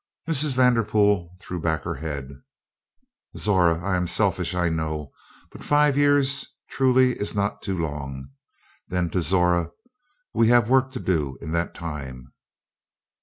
Mrs. Vanderpool threw back her head. "Zora, I am selfish I know, but five years truly is none too long. Then, too, Zora, we have work to do in that time."